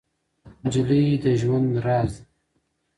نجلۍ د ژوند راز ده.